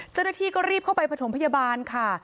เจ้าหน้าที่ก็รีบเข้าไปประถมพยาบาลค่ะ